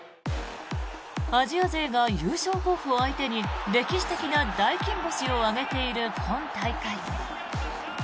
アジア勢が優勝候補相手に歴史的な大金星を挙げている今大会。